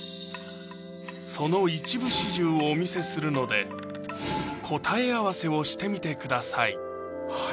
その一部始終をお見せするので答え合わせをしてみてください